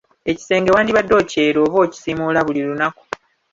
Ekisenge wandibadde okyera oba okukisimuula buli lunaku.